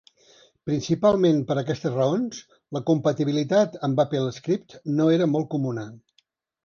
Principalment per aquestes raons, la compatibilitat amb AppleScript no era molt comuna.